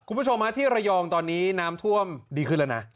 คุณผู้ชมที่ระยองตอนนี้น้ำท่วมดีขึ้นแล้วนะ